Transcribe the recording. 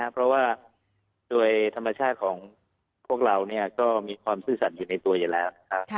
เพราะว่าโดยธรรมชาติของพวกเราก็มีความซื่อสัตว์อยู่ในตัวอยู่แล้วนะครับ